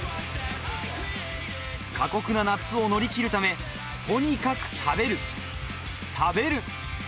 過酷な夏を乗り切るため、とにかく食べる、食べる！